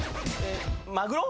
マグロ？